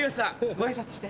ご挨拶して。